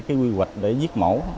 cái quy hoạch để giết mổ